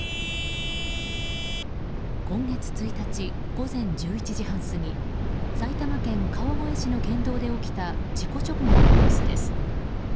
今月１日、午前１１時半過ぎ埼玉県川越市の県道で起きた事故直後の様子です。